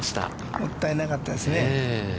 もったいなかったですね。